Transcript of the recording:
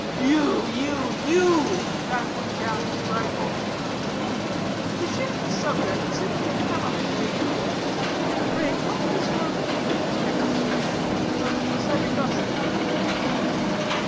"You, you, you!" rattling down his rifle. "To shift the subject, since we cannot agree. Pray, what is your opinion, respected sir, of St. Augustine?"